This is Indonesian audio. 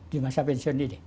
di masa pensiun ini